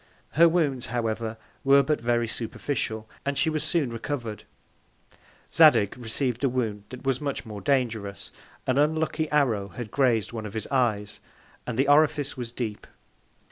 Her Wounds, however, were but very superficial, and she was soon recover'd. Zadig receiv'd a Wound that was much more dangerous: An unlucky Arrow had graz'd one of his Eyes, and the Orifice was deep.